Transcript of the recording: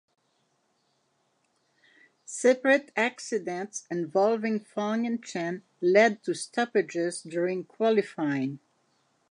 Separate accidents involving Fong and Chen led to stoppages during qualifying.